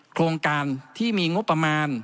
โครงการที่มีงบประมาณ